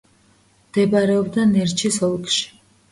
მდებარეობდა ნერჩის ოლქში.